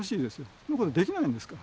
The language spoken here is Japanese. そんなことできないんですから。